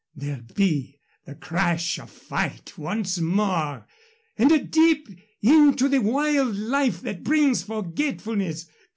There'll be the crash of fight once more and a dip into the wild life that brings forgetfulness.